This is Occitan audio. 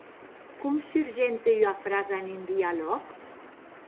Com surgente ua frasa en un dialòg?